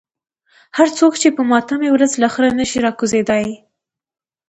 هر څوک چې په ماتمي ورځ له خره نشي راکوزېدای.